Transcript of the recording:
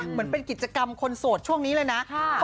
เหมือนเป็นกิจกรรมคนโสดช่วงนี้เลยนะ